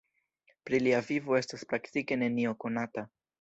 Pri lia vivo estas praktike nenio konata.